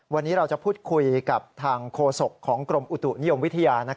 วันนี้เราจะพูดคุยกับทางโฆษกของกรมอุตุนิยมวิทยา